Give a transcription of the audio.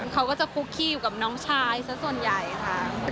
เขาก็จะคุกขี้อยู่กับน้องชายสักส่วนใหญ่ค่ะ